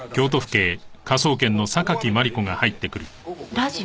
ラジオ？